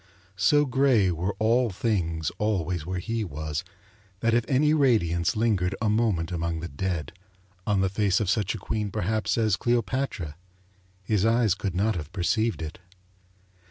So grey were all things always where he was that if any radiance lingered a moment among the dead, on the face of such a queen perhaps as Cleopatra, his eyes could not have perceived it.